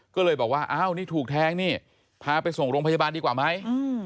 ก็เลยบอกว่าอ้าวนี่ถูกแทงนี่พาไปส่งโรงพยาบาลดีกว่าไหม